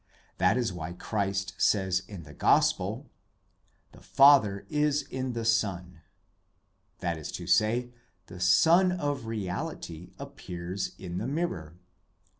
That is why Christ says in the Gospel : 'The Father is in the Son'; that is to say, the Sun of Reality appears in the mirror.